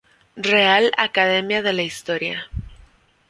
Real Academia de la Historia